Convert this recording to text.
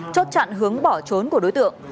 chốt chặn hướng bỏ trốn của đối tượng